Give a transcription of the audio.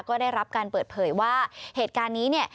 ก็ได้รับการเปิดเผยว่าเหตุการณ์นี้เนี่ย